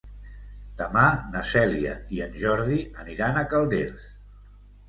Demà na Cèlia i en Jordi aniran a Calders.